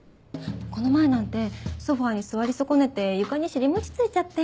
この前なんてソファに座りそこねて床に尻もちついちゃって。